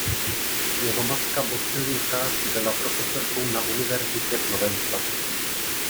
Jeho matka Bosiljka byla profesorkou na univerzitě v Novém Sadu.